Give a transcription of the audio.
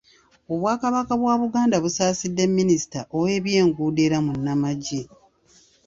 Obwakabaka bwa Buganda busaasidde Minista ow’ebyenguudo era munnamagye.